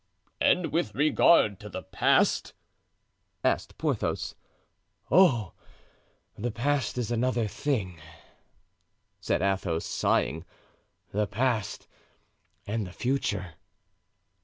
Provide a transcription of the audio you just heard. "And with regard to the past?" asked Porthos. "Oh! the past is another thing," said Athos, sighing; "the past and the future."